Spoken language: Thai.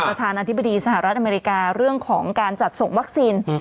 ประธานาธิบดีสหรัฐอเมริกาเรื่องของการจัดส่งวัคซีน